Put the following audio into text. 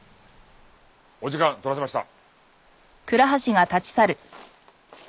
お時間取らせました。